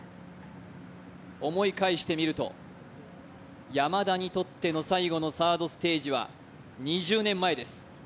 思い返してみると、山田にとっての最後のサードステージは２０年前です。